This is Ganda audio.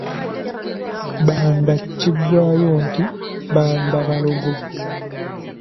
Bbanda kiggwaayo nti Bbandabalogo.